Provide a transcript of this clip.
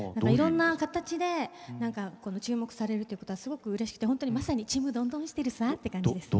いろんな形で注目されるということはすごくうれしくてほんとにまさにちむどんどんしてるさって感じです。